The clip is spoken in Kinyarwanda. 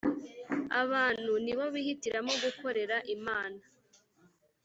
Abantu ni bo bihitiramo gukorera Imana